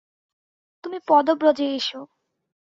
তুমি পদব্রজে এস!